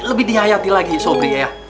lebih dihayati lagi sobri ya